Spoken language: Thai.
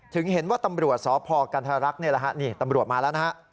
ถึงเห็นว่าตำรวจสพกันธรรักษ์นี่แหละฮะนี่ตำรวจมาแล้วนะฮะ